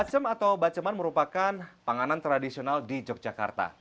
bacem atau baceman merupakan panganan tradisional di yogyakarta